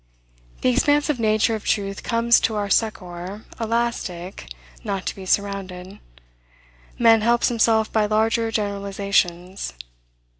The expansive nature of truth comes to our succor, elastic, not to be surrounded. Man helps himself by larger generalizations.